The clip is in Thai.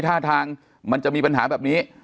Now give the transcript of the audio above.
ท่าทางมันจะมีปัญหาแบบนี้